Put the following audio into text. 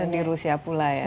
dan di rusia pula ya